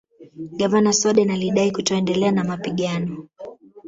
Gavana Soden alidai kutoendelea na mapigano